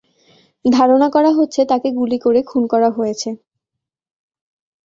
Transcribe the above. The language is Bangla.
ধারণা করা হচ্ছে তাকে গুলি করে খুন করা হয়েছে।